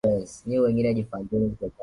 Anabeba vyombo vyote